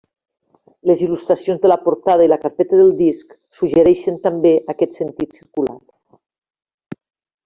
Les il·lustracions de la portada i la carpeta del disc suggereixen també aquest sentit circular.